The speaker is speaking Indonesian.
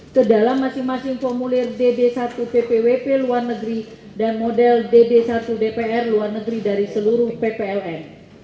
ke dalam masing masing formulir dd satu ppwp luar negeri dan model dd satu dpr luar negeri dari seluruh ppln